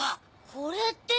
これって。